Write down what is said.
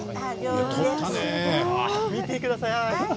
見てください。